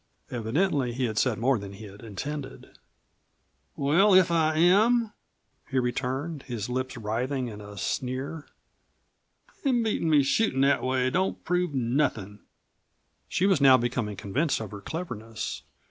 Evidently he had said more than he had intended. "Well, if I am?" he returned, his lips writhing in a sneer. "Him beatin' me shootin' that way don't prove nothin'." She was now becoming convinced of her cleverness.